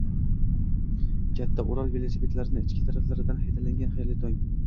Katta "Урал" velosipedlarni ichki tarafidan haydaganlar, xayrli tong!